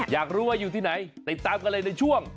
อยากรู้ว่าอยู่ที่ไหนติดตามกันเลยในช่วง